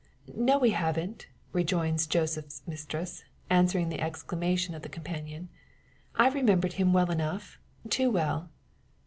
"No, we haven't," rejoins Joseph's mistress, answering the exclamation of the companion. "I remembered him well enough too well."